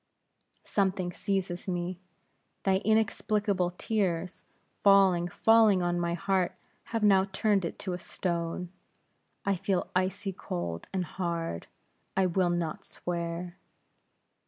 "Something seizes me. Thy inexplicable tears, falling, falling on my heart, have now turned it to a stone. I feel icy cold and hard; I will not swear!"